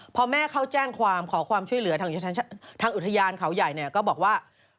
พอแม่เขาแจ้งความขอความช่วยเหลือทางอุทยานเขาใหญ่เนี่ยก็บอกว่า